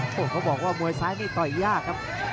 โอ้โหเขาบอกว่ามวยซ้ายนี่ต่อยยากครับ